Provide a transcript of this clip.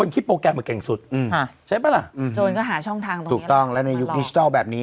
นก็หาช่องทางตรงนี้สุขต้องแล้วในประบริยิชนะแบบนี้